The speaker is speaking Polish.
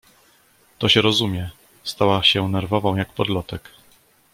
"To się rozumie!“ Stała się nerwową, jak podlotek."